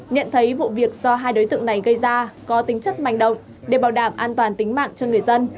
nhận thấy vụ việc do hai đối tượng này gây ra có tính chất manh động để bảo đảm an toàn tính mạng cho người dân